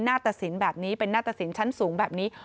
ตสินแบบนี้เป็นหน้าตะสินชั้นสูงแบบนี้